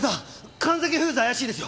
神崎フーズ怪しいですよ。